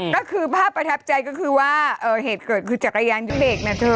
ก็คือภาพประทับใจก็คือว่าเหตุเกิดคือจักรยานยนเบรกนะเธอ